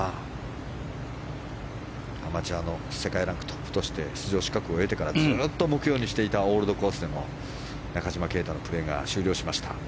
アマチュアの世界ランクトップとして出場資格を得てからずっと目標にしていたオールドコースでの中島啓太のプレーが終了しました。